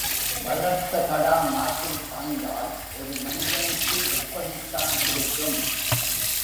வளர்த்த கடா மார்பில் பாய்ந்தால், ஒரு மனிதனுக்கு எப்படித்தான் இருக்கும்!